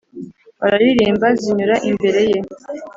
bararirimba zinyura imbere ye